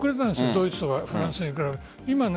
ドイツとかフランスに比べて。